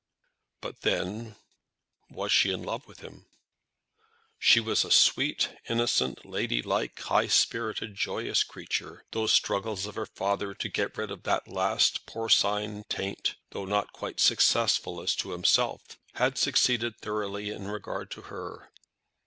But then was she in love with him? She was a sweet, innocent, ladylike, high spirited, joyous creature. Those struggles of her father to get rid of the last porcine taint, though not quite successful as to himself, had succeeded thoroughly in regard to her.